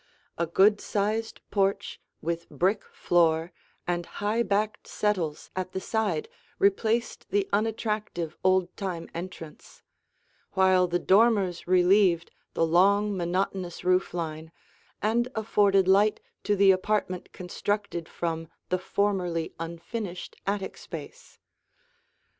A good sized porch with brick floor and high backed settles at the side replaced the unattractive, old time entrance, while the dormers relieved the long, monotonous roof line and afforded light to the apartment constructed from the formerly unfinished attic space.